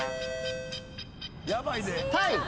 タイ。